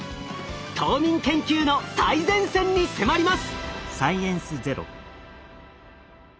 冬眠研究の最前線に迫ります！